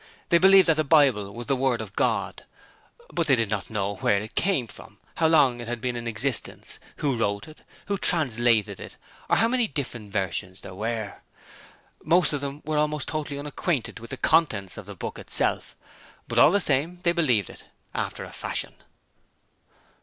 They believed that the Bible was the word of God, but they didn't know where it came from, how long it had been in existence, who wrote it, who translated it or how many different versions there were. Most of them were almost totally unacquainted with the contents of the book itself. But all the same, they believed it after a fashion.